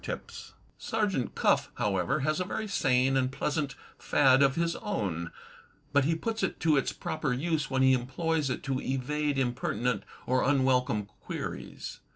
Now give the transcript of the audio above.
PORTRAITS 167 Sergeant Cuff, however, has a very sane and pleasant fad of his own, but he puts it to its proper use when he employs it to evade impertinent or unwelcome queries.